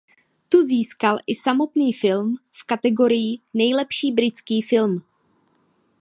Tu získal i samotný film v kategorii Nejlepší britský film.